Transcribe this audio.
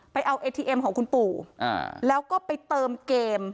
เอาเอทีเอ็มของคุณปู่แล้วก็ไปเติมเกม